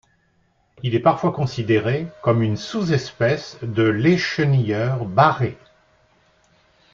Il est parfois considéré comme une sous-espèce de l'Échenilleur barré.